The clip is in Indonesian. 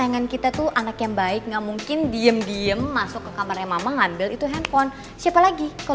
gue boleh ngomong sebentar gak sama dia